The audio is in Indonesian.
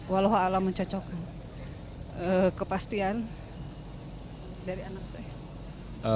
walau allah mencocok kepastian dari anak saya